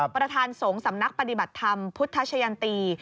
ประธานสงฆ์สำนักปฏิบัติธรรมพุทธชะยันตี